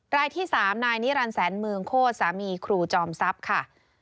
รายที่๓นายนิรันดิแสนเมืองโคตรสามีครูจอมทรัพย์ค่ะ